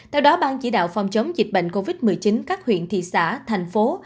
theo đó ban chỉ đạo phòng chống dịch bệnh covid một mươi chín các huyện thị xã thành phố